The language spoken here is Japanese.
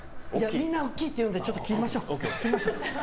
みんな大きいって言うのでちょっと切りましょう。